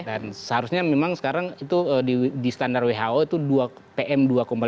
dan seharusnya memang sekarang di standar who itu pm dua lima